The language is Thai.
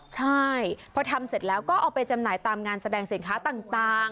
ใช่พอทำเสร็จแล้วก็เอาไปจำหน่ายตามงานแสดงสินค้าต่าง